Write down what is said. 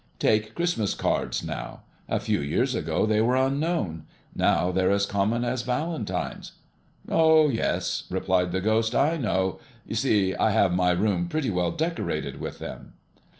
Take Christmas cards, now. A few years ago they were unknown; now they're as common as valentines." "Oh, yes," replied the Ghost, "I know. You see I have my room pretty well decorated with them."